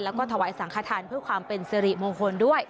แล้วก็ถวายสังขทานเพื่อความเป็นสิริมงคลด้วย